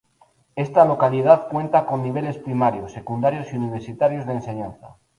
Esta localidad cuenta con niveles primarios, secundarios y universitarios de enseñanza.